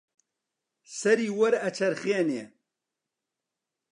سەری وەرئەچەرخێنێ